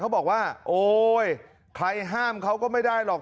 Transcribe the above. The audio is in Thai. บอกว่าโอ๊ยใครห้ามเขาก็ไม่ได้หรอก